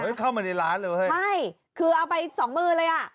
เฮ้ยเข้ามาในร้านเลยว่ะใช่คือเอาไป๒มือเลยอ่ะ